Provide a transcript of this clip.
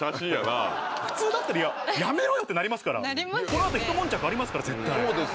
これ、普通だったらやめろよってなりますから、このあと、ひともん着ありますから、絶対。